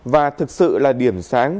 và thực sự là điểm sáng